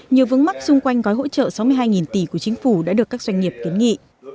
nhiều vướng mắc xung quanh gói hỗ trợ sáu mươi hai tỷ của chính phủ đã được các doanh nghiệp kiến nghị